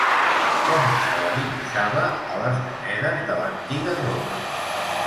Com se la dibuixava a les monedes de l'antiga Roma?